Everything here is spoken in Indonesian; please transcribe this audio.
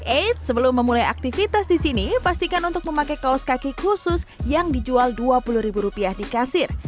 eits sebelum memulai aktivitas di sini pastikan untuk memakai kaos kaki khusus yang dijual dua puluh ribu rupiah di kasir